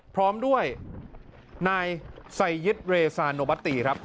พร้อมด้วยนายไซยิตเรซาโนบัตตีครับ